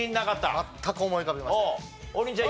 全く思い浮かびません。